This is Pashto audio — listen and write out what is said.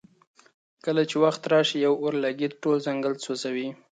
کله چې وخت راشي یو اورلګیت ټول ځنګل سوځوي.